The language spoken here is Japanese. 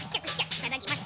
いただきます！